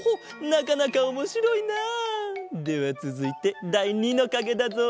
なかなかおもしろいな！ではつづいてだい２のかげだぞ。